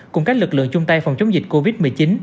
cùng các lực lượng chung tay phòng chống dịch covid một mươi chín